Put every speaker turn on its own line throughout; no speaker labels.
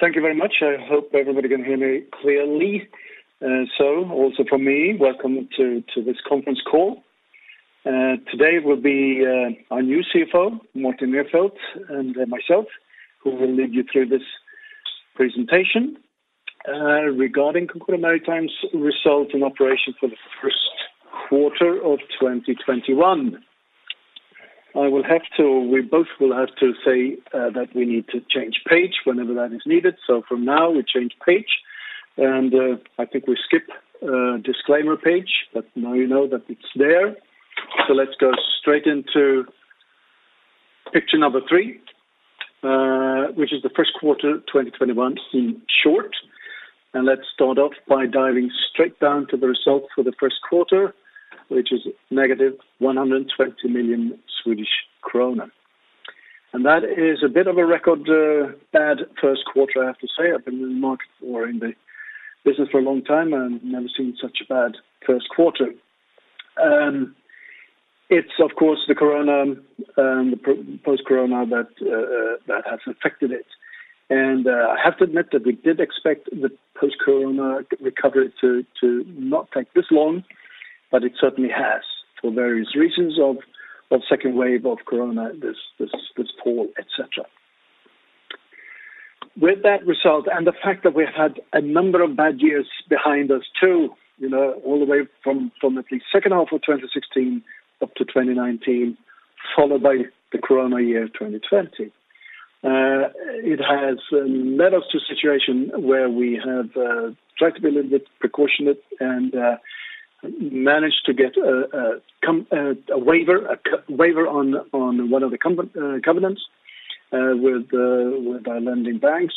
Thank you very much. I hope everybody can hear me clearly. Also from me, welcome to this conference call. Today will be our new CFO, Martin Nerfeldt, and myself who will lead you through this presentation regarding Concordia Maritime's results and operation for the first quarter of 2021. We both will have to say that we need to change page whenever that is needed. From now, we change page, and I think we skip disclaimer page, but now you know that it's there. Let's go straight into picture number three, which is the first quarter 2021 in short. Let's start off by diving straight down to the result for the first quarter, which is negative 120 million Swedish kronor. That is a bit of a record bad first quarter, I have to say. I've been in the market or in the business for a long time and never seen such a bad first quarter. It's of course, the post-corona that has affected it. I have to admit that we did expect the post-corona recovery to not take this long, but it certainly has, for various reasons of second wave of corona, this fall, et cetera. With that result and the fact that we had a number of bad years behind us, too, all the way from at least second half of 2016 up to 2019, followed by the corona year 2020. It has led us to a situation where we have tried to be a little bit precautionate and managed to get a waiver on one of the covenants with our lending banks.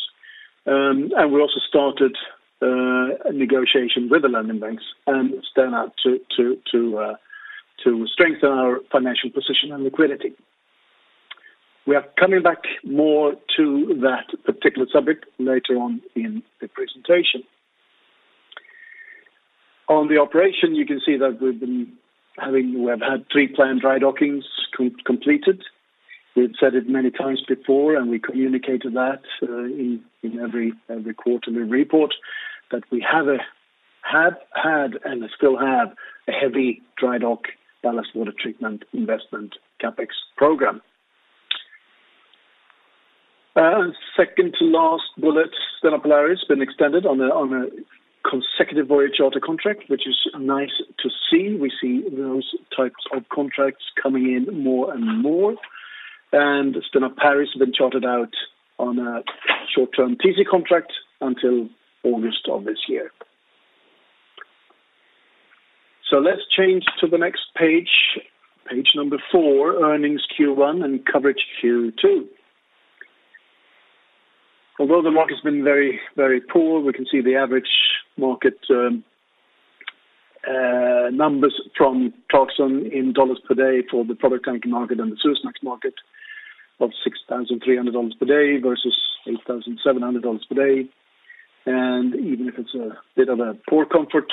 We also started a negotiation with the lending banks and Stena to strengthen our financial position and liquidity. We are coming back more to that particular subject later on in the presentation. On the operation, you can see that we've had three planned dry dockings completed. We've said it many times before, we communicated that in every quarterly report that we have had and still have a heavy dry dock ballast water treatment investment CapEx program. Second to last bullet, Stena Polaris has been extended on a consecutive voyage charter contract, which is nice to see. We see those types of contracts coming in more and more, Stena Paris has been chartered out on a short-term TC contract until August of this year. Let's change to the next page number four, earnings Q1 and coverage Q2. The market has been very, very poor. We can see the average market numbers from Clarksons in dollars per day for the product tanker market and the Suezmax market of $6,300 per day versus $8,700 per day. Even if it's a bit of a poor comfort,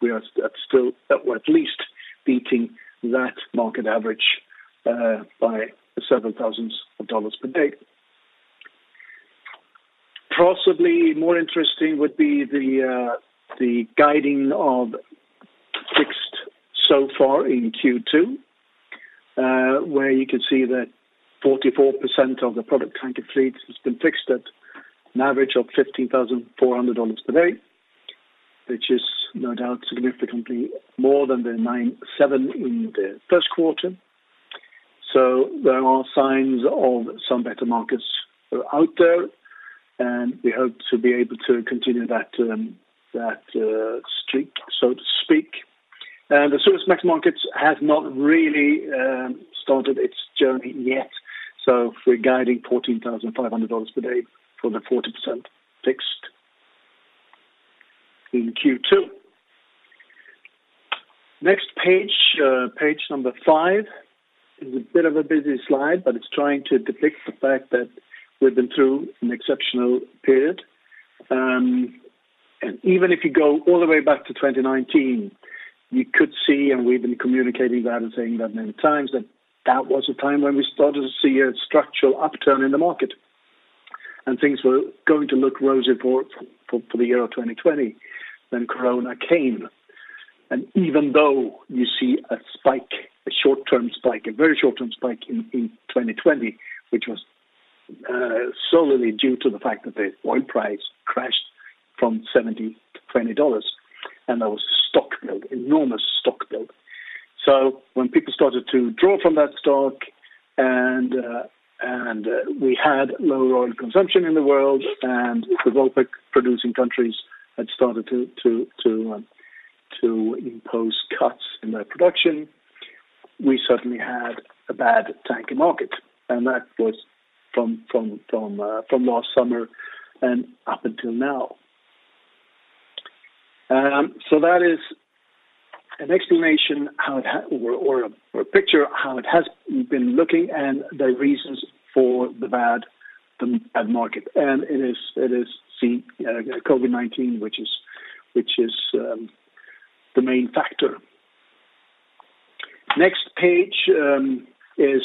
we are at least beating that market average by several thousands of dollars per day. Possibly more interesting would be the guiding of fixed so far in Q2, where you can see that 44% of the product tanker fleet has been fixed at an average of $15,400 per day, which is no doubt significantly more than the $9,700 per day in the first quarter. There are signs of some better markets out there, and we hope to be able to continue that streak, so to speak. The Suezmax markets has not really started its journey yet, so we're guiding $14,500 per day for the 40% fixed in Q2. Next page number five is a bit of a busy slide, but it's trying to depict the fact that we've been through an exceptional period. Even if you go all the way back to 2019, you could see, and we've been communicating that and saying that many times, that that was a time when we started to see a structural upturn in the market and things were going to look rosy for the year 2020 when corona came. Even though you see a spike, a short-term spike, a very short-term spike in 2020, which was solely due to the fact that the oil price crashed from $70-$20, and there was a stock build, enormous stock build. When people started to draw from that stock and we had low oil consumption in the world and the OPEC producing countries had started to impose cuts in their production, we certainly had a bad tanker market, and that was from last summer and up until now. That is an explanation or a picture of how it has been looking and the reasons for the bad market. It is COVID-19, which is the main factor. Next page is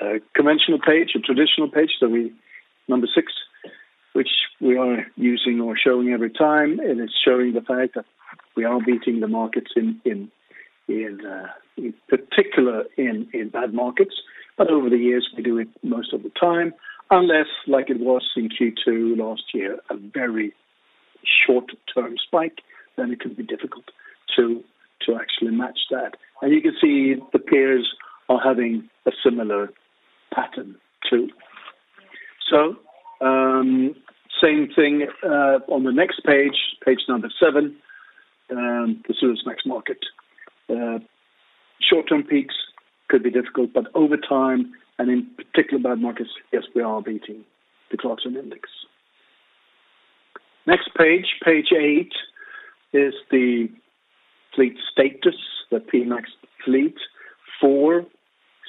a conventional page, a traditional page, number six, which we are using or showing every time, and it's showing the fact that we are beating the markets, in particular in bad markets. Over the years, we do it most of the time, unless like it was in Q2 last year, a very short-term spike, then it can be difficult to actually match that. You can see the peers are having a similar pattern, too. Same thing on the next page seven, the Suezmax market. Short-term peaks could be difficult, but over time and in particular bad markets, yes, we are beating the ClarkSea Index. Next page eight, is the fleet status, the P-MAX fleet. Four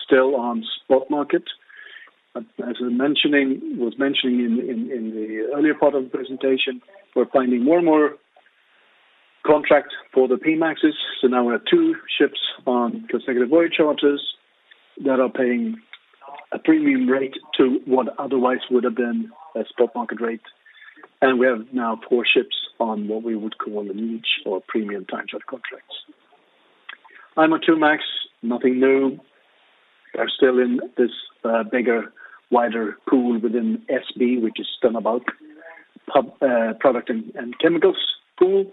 still on spot market. As I was mentioning in the earlier part of the presentation, we're finding more contracts for the P-MAXes. Now we have two ships on consecutive voyage charters that are paying a premium rate to what otherwise would have been a spot market rate. We have now four ships on what we would call the niche or premium time charter contracts. IMOIIMAX, nothing new. They are still in this bigger, wider pool within SB, which is Stena Bulk product and chemicals pool.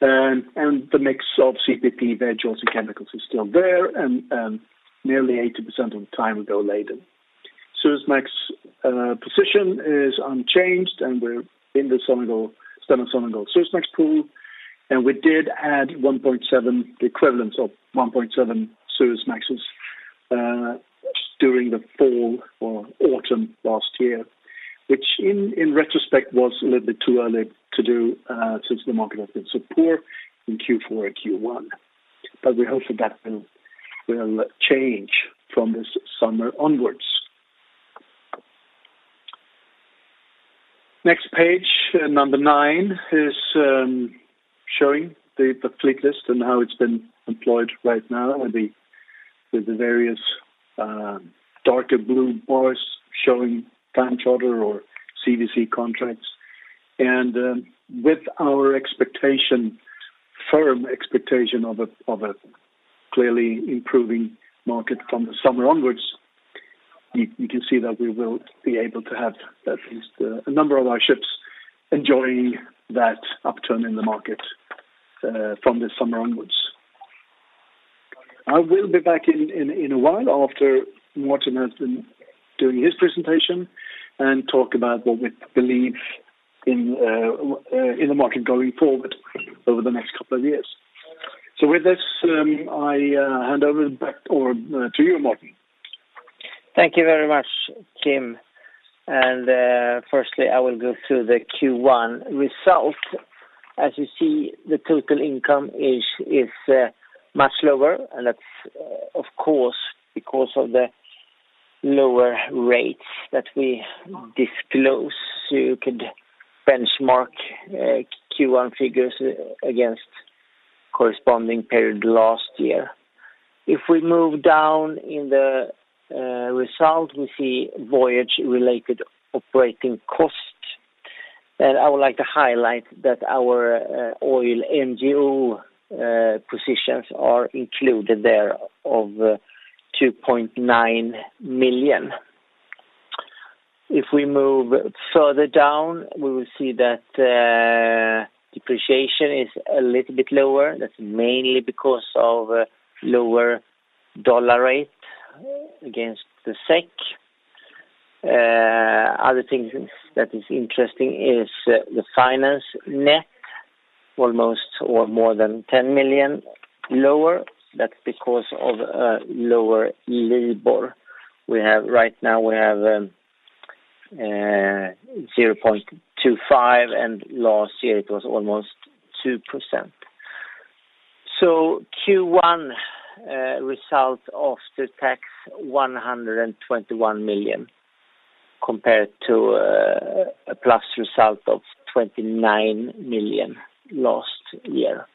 The mix of CPP, veg oils, and chemicals is still there, and nearly 80% of the time we go laden. Suezmax position is unchanged, and we're in the Stena Suezmax Pool, and we did add the equivalent of 1.7 Suezmaxes during the fall or autumn last year, which in retrospect was a little bit too early to do since the market has been so poor in Q4 and Q1. We hope that will change from this summer onwards. Next page, number nine, is showing the fleet list and how it's been employed right now with the various darker blue bars showing time charter or CVC contracts. With our firm expectation of a clearly improving market from the summer onwards, you can see that we will be able to have at least a number of our ships enjoying that upturn in the market from this summer onwards. I will be back in a while after Martin has been doing his presentation and talk about what we believe in the market going forward over the next couple of years. With this, I hand over back to you, Martin.
Thank you very much, Kim. Firstly, I will go through the Q1 result. As you see, the total income is much lower, and that's, of course, because of the lower rates that we disclose. You could benchmark Q1 figures against corresponding period last year. If we move down in the result, we see voyage-related operating cost. I would like to highlight that our oil hedge positions are included there of 2.9 million. If we move further down, we will see that depreciation is a little bit lower. That's mainly because of lower dollar rate against the SEK. Other things that is interesting is the finance net, almost or more than 10 million lower. That's because of lower LIBOR. Right now, we have 0.25%, and last year it was almost 2%. Q1 result after tax, 121 million compared to a plus result of 29 million last year.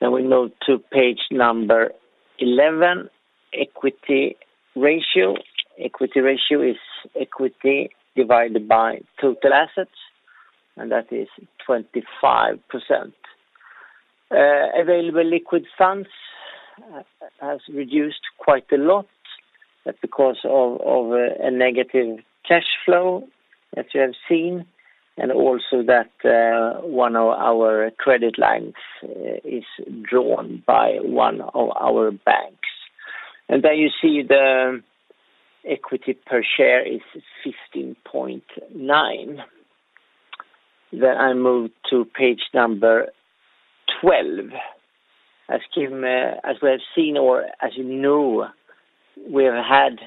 We move to page 11, equity ratio. Equity ratio is equity divided by total assets, that is 25%. Available liquid funds has reduced quite a lot. That's because of a negative cash flow that you have seen, also that one of our credit lines is drawn by one of our banks. There you see the equity per share is 15.9. I move to page 12. As we have seen or as you know, we have had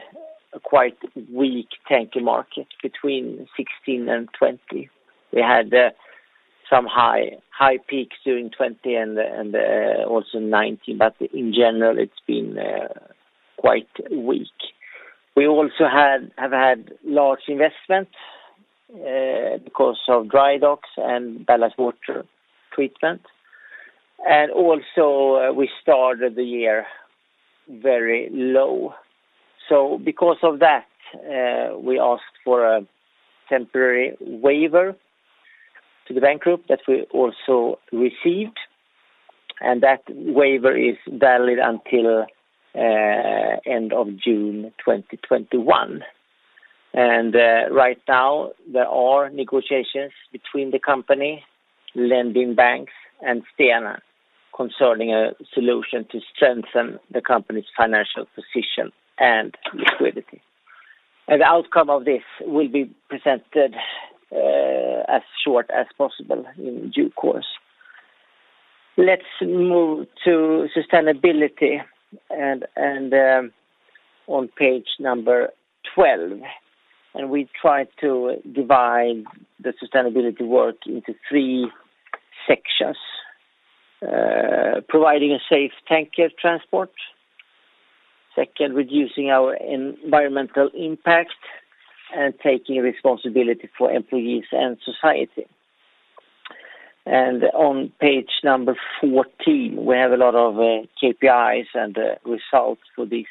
a quite weak tanker market between 2016 and 2020. We had some high peaks during 2020 and also 2019, in general, it's been quite weak. We also have had large investments because of dry docks and ballast water treatment. Also we started the year very low. Because of that, we asked for a temporary waiver to the bank group that we also received, and that waiver is valid until end of June 2021. Right now there are negotiations between the company, lending banks, and Stena concerning a solution to strengthen the company's financial position and liquidity. An outcome of this will be presented as short as possible in due course. Let's move to sustainability and on page number 12. We try to divide the sustainability work into three sections. Providing a safe tanker transport. Second, reducing our environmental impact, and taking responsibility for employees and society. On page number 14, we have a lot of KPIs and results for this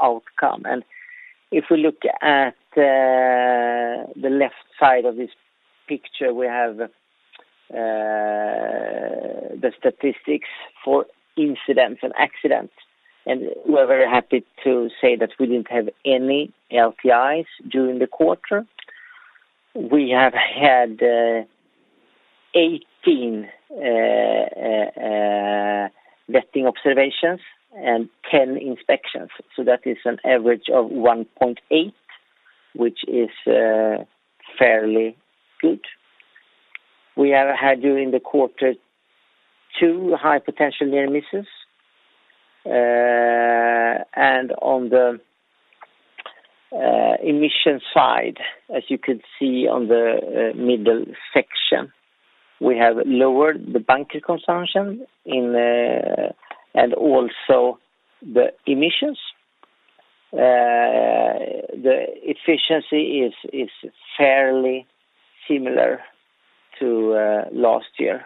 outcome. If we look at the left side of this picture, we have the statistics for incidents and accidents, and we're very happy to say that we didn't have any LTIs during the quarter. We have had 18 vetting observations and 10 inspections, so that is an average of 1.8, which is fairly good. We have had, during the quarter, two high potential near misses. On the emission side, as you can see on the middle section, we have lowered the bunker consumption and also the emissions. The efficiency is fairly similar to last year.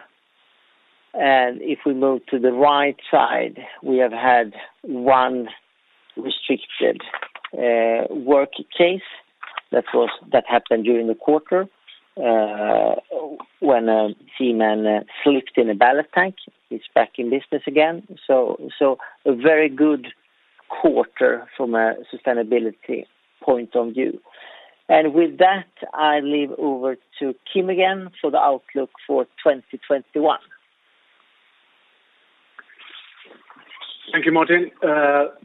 If we move to the right side, we have had one restricted work case that happened during the quarter when a seaman slipped in a ballast tank. He's back in business again. A very good quarter from a sustainability point of view. With that, I leave over to Kim again for the outlook for 2021.
Thank you, Martin.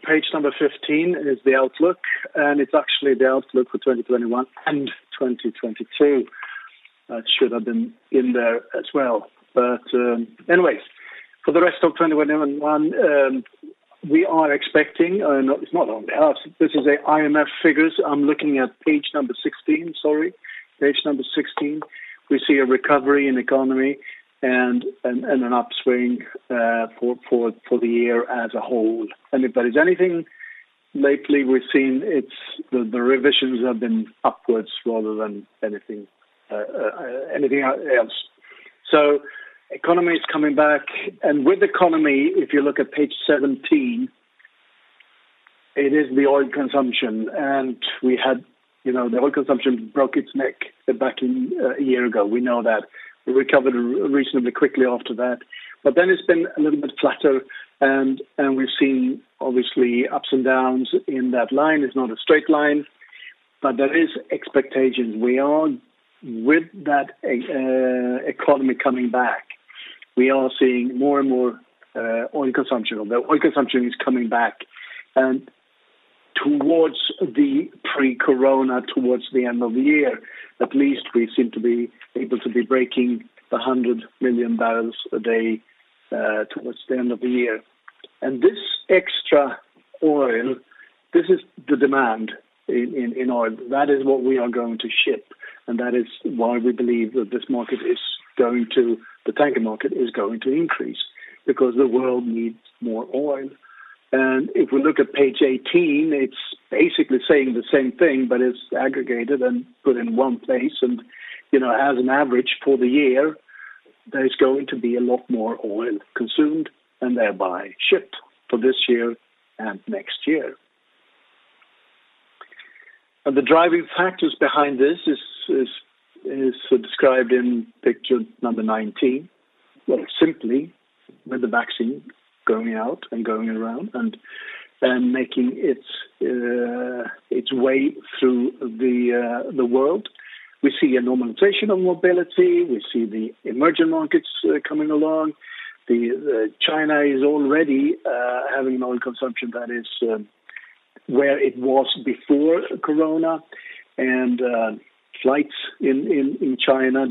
Page number 15 is the outlook, and it's actually the outlook for 2021 and 2022. That should have been in there as well. Anyways, for the rest of 2021, it's not only us, this is the IMF figures. I'm looking at page number 16, sorry. Page number 16. We see a recovery in economy and an upswing for the year as a whole. If there is anything lately we've seen, it's the revisions have been upwards rather than anything else. Economy is coming back. With economy, if you look at page 17, it is the oil consumption. The oil consumption broke its neck back a year ago. We know that. We recovered reasonably quickly after that. It's been a little bit flatter. We've seen obviously ups and downs in that line. It's not a straight line, there is expectations. With that economy coming back, we are seeing more and more oil consumption, although oil consumption is coming back. Towards the pre-corona, towards the end of the year, at least we seem to be able to be breaking 100 million barrels a day towards the end of the year. This extra oil, this is the demand in oil. That is what we are going to ship, and that is why we believe that the tanker market is going to increase, because the world needs more oil. If we look at page 18, it's basically saying the same thing, but it's aggregated and put in one place. As an average for the year, there's going to be a lot more oil consumed and thereby shipped for this year and next year. The driving factors behind this is described in picture number 19. Well, simply with the vaccine going out and going around, and making its way through the world. We see a normalization of mobility. We see the emerging markets coming along. China is already having an oil consumption that is where it was before COVID-19, and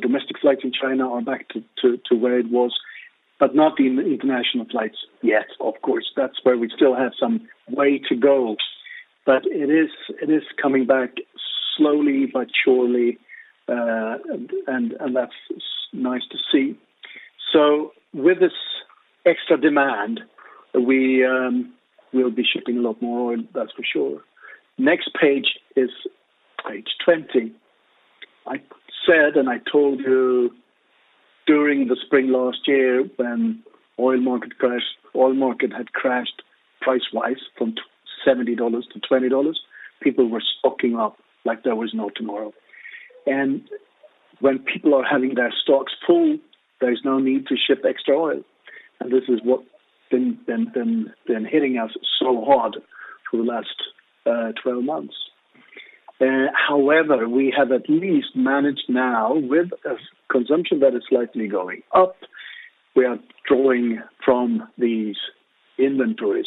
domestic flights in China are back to where it was, but not the international flights yet. Of course, that's where we still have some way to go. It is coming back slowly but surely, and that's nice to see. With this extra demand, we'll be shipping a lot more oil, that's for sure. Next page is page 20. I said, and I told you during the spring last year when oil market crashed, oil market had crashed price-wise from $70-$20. People were stocking up like there was no tomorrow. When people are having their stocks full, there's no need to ship extra oil, and this is what been hitting us so hard for the last 12 months. However, we have at least managed now with a consumption that is slightly going up. We are drawing from these inventories,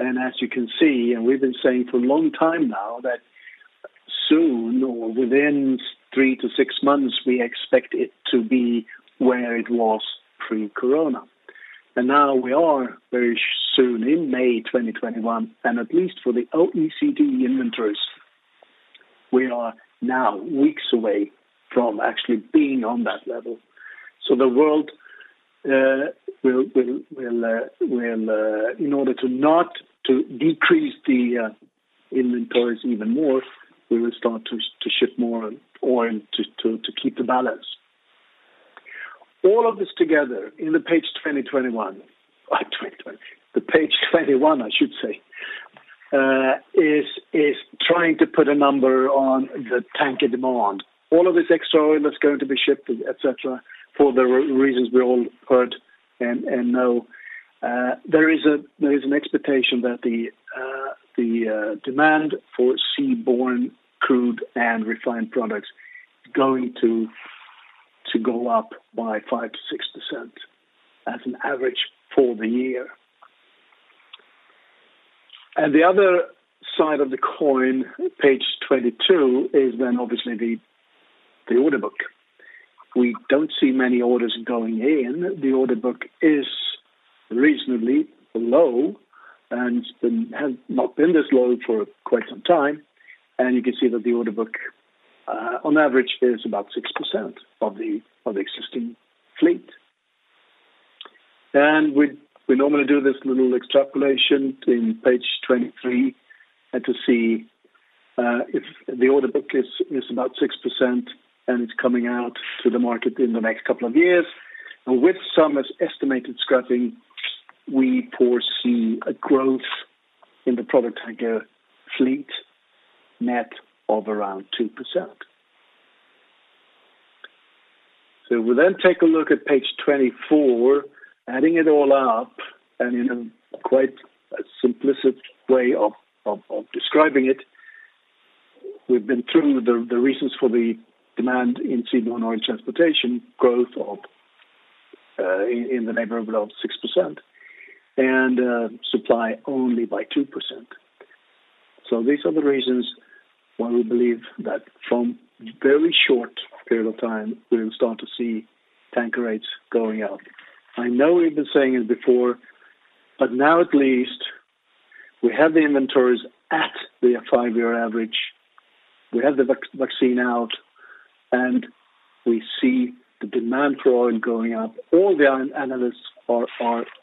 as you can see, and we've been saying for a long time now that soon or within three to six months, we expect it to be where it was pre-corona. Now we are very soon in May 2021, and at least for the OECD inventories, we are now weeks away from actually being on that level. The world will, in order to not to decrease the inventories even more, we will start to ship more oil to keep the balance. All of this together in the page 2021. The page 21, I should say, is trying to put a number on the tanker demand. All of this extra oil that's going to be shipped, et cetera, for the reasons we all heard and know, there is an expectation that the demand for seaborne crude and refined products is going to go up by 5%-6% as an average for the year. The other side of the coin, page 22, is then obviously the order book. We don't see many orders going in. The order book is reasonably low and has not been this low for quite some time. You can see that the order book, on average, is about 6% of the existing fleet. We normally do this little extrapolation in page 23, to see if the order book is about 6% and it's coming out to the market in the next couple of years. With some estimated scrapping, we foresee a growth in the product tanker fleet net of around 2%. We'll then take a look at page 24, adding it all up, and in a quite simplistic way of describing it, we've been through the reasons for the demand in seaborne oil transportation, growth in the neighborhood of 6%, and supply only by 2%. These are the reasons why we believe that from very short period of time, we'll start to see tanker rates going up. I know we've been saying it before, but now at least, we have the inventories at the five-year average. We have the vaccine out, and we see the demand for oil going up. All the oil analysts are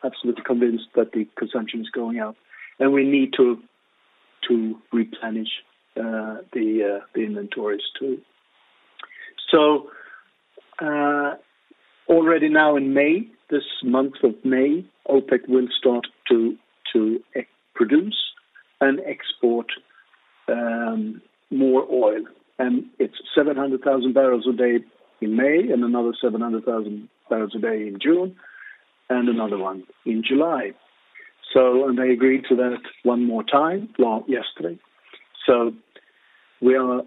absolutely convinced that the consumption is going up, and we need to replenish the inventories, too. Already now in May, this month of May, OPEC will start to produce and export more oil, and it's 700,000 barrels a day in May and another 700,000 barrels a day in June, and another one in July. They agreed to that one more time yesterday. We are,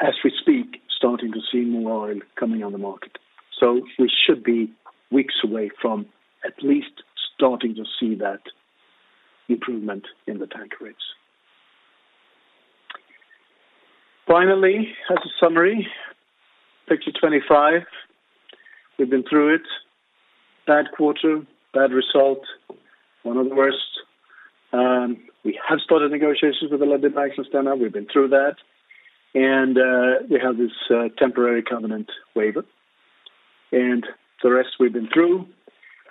as we speak, starting to see more oil coming on the market. We should be weeks away from at least starting to see that improvement in the tanker rates. Finally, as a summary, picture 25. We've been through it. Bad quarter, bad result, one of the worst. We have started negotiations with the lending banks just now. We've been through that. We have this temporary covenant waiver. The rest we've been through.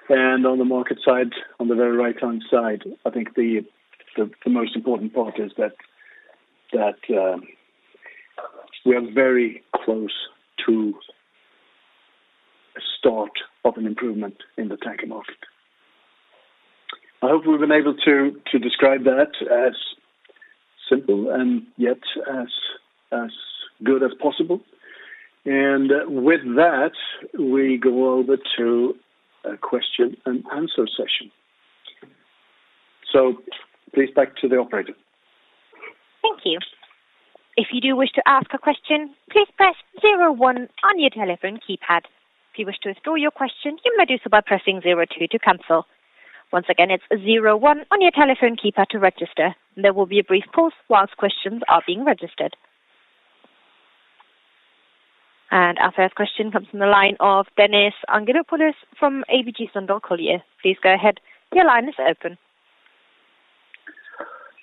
On the market side, on the very right-hand side, I think the most important part is that we are very close to a start of an improvement in the tanker market. I hope we've been able to describe that as simple and yet as good as possible. With that, we go over to a question and answer session. Please back to the operator.
Thank you. If you do wish to ask a question, please press zero one on your telephone keypad. If you wish to withdraw your question, you may do so by pressing zero two to cancel. Once again, it's zero one on your telephone keypad to register. There will be a brief pause while questions are being registered. Our first question comes from the line of Dennis Angelopoulos from ABG Sundal Collier. Please go ahead. Your line is open.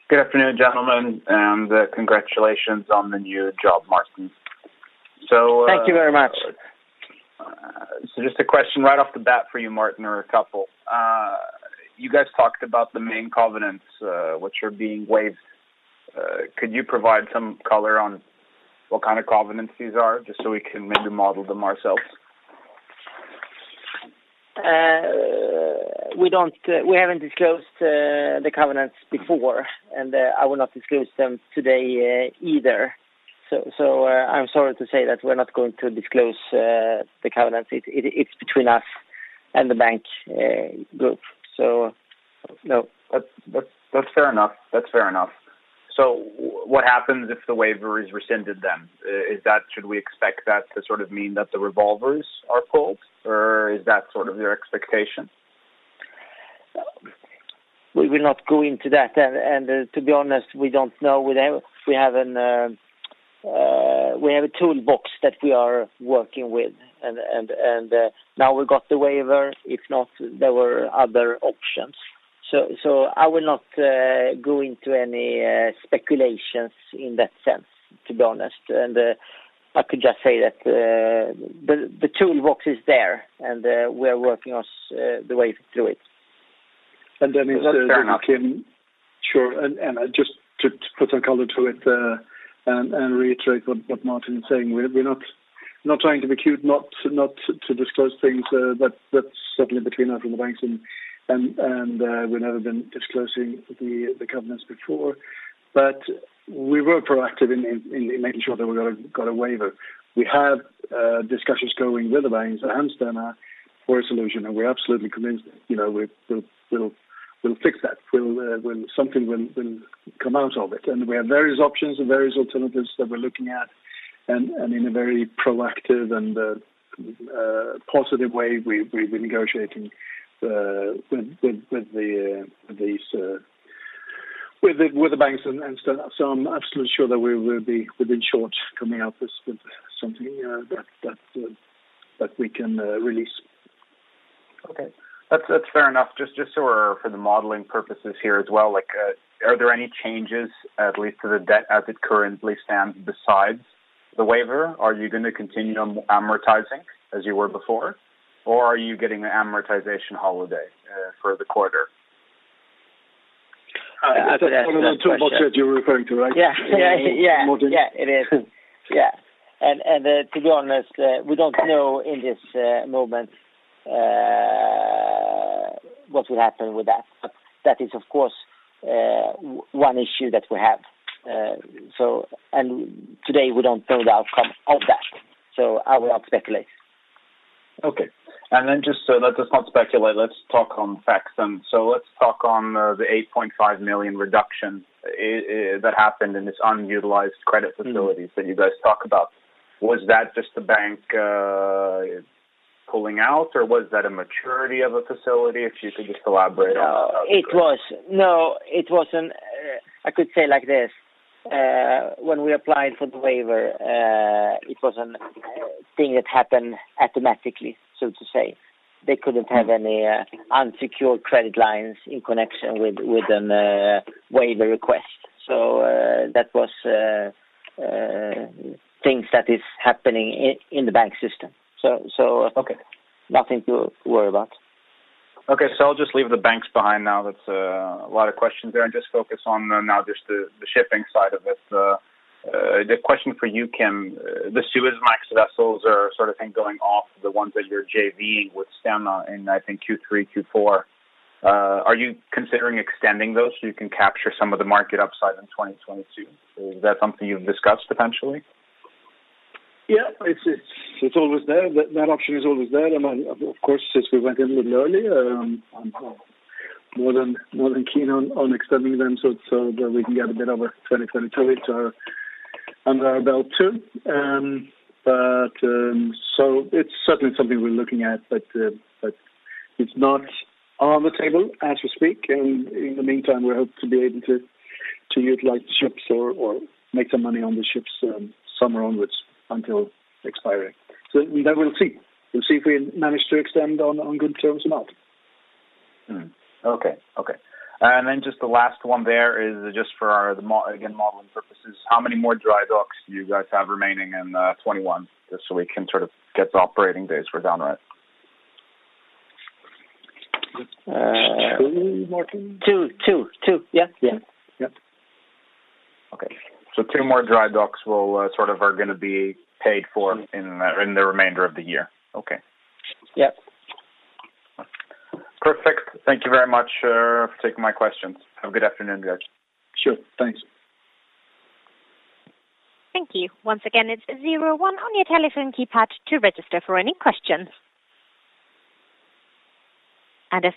Good afternoon, gentlemen, and congratulations on the new job, Martin.
Thank you very much.
Just a question right off the bat for you, Martin, or a couple. You guys talked about the main covenants which are being waived. Could you provide some color on what kind of covenants these are, just so we can maybe model them ourselves?
We haven't disclosed the covenants before, and I will not disclose them today either. I'm sorry to say that we're not going to disclose the covenants. It's between us and the bank group. No.
That's fair enough. What happens if the waiver is rescinded then? Should we expect that to sort of mean that the revolvers are pulled, or is that sort of your expectation?
We will not go into that. To be honest, we don't know. We have a toolbox that we are working with, and now we got the waiver. If not, there were other options. I will not go into any speculations in that sense, to be honest. I could just say that the toolbox is there, and we are working the way through it.
That's fair enough.
Sure. Just to put some color to it and reiterate what Martin is saying, we're not trying to be cute not to disclose things. That's certainly between us and the banks, and we've never been disclosing the covenants before. We were proactive in making sure that we got a waiver. We have discussions going with the banks and Stena for a solution, and we're absolutely convinced we'll fix that, something will come out of it. We have various options and various alternatives that we're looking at, and in a very proactive and positive way, we're negotiating with the banks and Stena. I'm absolutely sure that we will be, within short, coming out with something that we can release.
Okay. That's fair enough. For the modeling purposes here as well, are there any changes, at least to the debt as it currently stands, besides the waiver? Are you going to continue on amortizing as you were before? Are you getting an amortization holiday for the quarter?
That's the question you were referring to, right?
Yeah. It is. Yeah. To be honest, we don't know in this moment what will happen with that. That is, of course, one issue that we have. Today we don't know the outcome of that, so I will not speculate.
Okay. Just let us not speculate, let's talk on facts then. Let's talk on the 8.5 million reduction that happened in this unutilized credit facilities that you guys talk about. Was that just the bank pulling out, or was that a maturity of a facility? If you could just elaborate on that.
It was. I could say like this. When we applied for the waiver, it was a thing that happened automatically, so to say. They couldn't have any unsecured credit lines in connection with a waiver request. That was things that is happening in the bank system.
Okay.
Nothing to worry about.
Okay, I'll just leave the banks behind now. That's a lot of questions there, just focus on now just the shipping side of this. The question for you, Kim, the Suezmax vessels are sort of going off the ones that you're JV with Stena in, I think Q3, Q4. Are you considering extending those you can capture some of the market upside in 2022? Is that something you've discussed potentially?
Yeah, that option is always there. Of course, since we went in with it earlier, I'm more than keen on extending them so that we can get a bit of 2023 under our belt, too. It's certainly something we're looking at, but it's not on the table as we speak. In the meantime, we hope to be able to utilize the ships or make some money on the ships somewhere onwards until expiry. We'll see. We'll see if we manage to extend on good terms or not.
Okay. Just the last one there is just for, again, modeling purposes, how many more dry docks do you guys have remaining in 2021, just so we can sort of get the operating days for dry dock?
Two, Martin?
Two. Yeah.
Yeah.
Okay. Two more dry docks sort of are going to be paid for in the remainder of the year. Okay.
Yeah.
Perfect. Thank you very much for taking my questions. Have a good afternoon, guys.
Sure. Thanks.
Thank you. If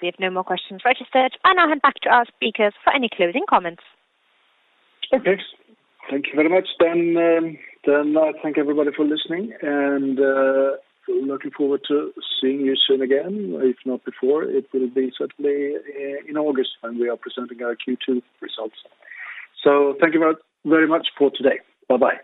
we have no more questions registered, I now hand back to our speakers for any closing comments.
Okay. Thank you very much. I thank everybody for listening, and looking forward to seeing you soon again, if not before. It will be certainly in August when we are presenting our Q2 results. Thank you very much for today. Bye-bye.